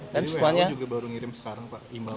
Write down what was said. tapi who juga baru ngirim sekarang pak